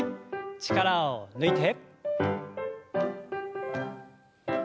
力を抜いて。